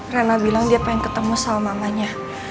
rena bilang dia pengen ketemu salmanganya